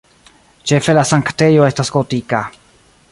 Ĉefe la sanktejo estas gotika.